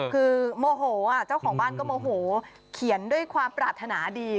คือโมโหเจ้าของบ้านก็โมโหเขียนด้วยความปรารถนาดี